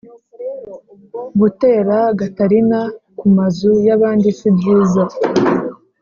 gutera gatarina ku mazu yabandi si byiza